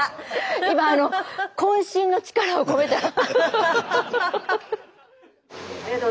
今渾身の力を込めたら。